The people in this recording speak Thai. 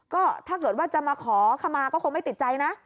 ก็ถ้าเกิดว่าจะมาขอขมาก็คงไม่ติดใจนะ